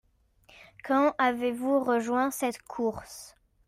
Quand avez-vous rejoint cette course ?